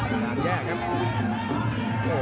หลังแยกครับ